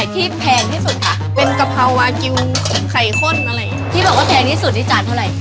ที่มีทางหมายหน่อยที่แพงที่สุดคะ